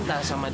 jatuh cinta sama